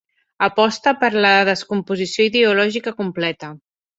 Aposta per la descomposició ideològica completa.